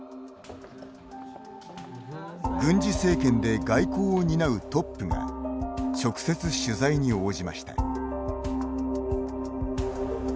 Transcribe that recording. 軍事政権で外交を担うトップが直接取材に応じました。